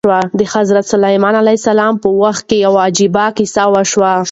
د حضرت سلیمان علیه السلام په وخت کې یوه عجیبه کیسه وشوه.